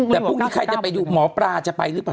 แต่พรุ่งนี้ใครจะไปดูหมอปลาจะไปหรือเปล่า